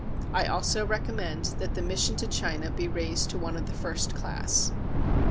I also recommend that the mission to China be raised to one of the first class.